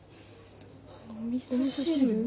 おみそ汁？